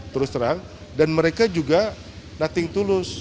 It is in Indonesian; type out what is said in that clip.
terus terang dan mereka juga nothing tulus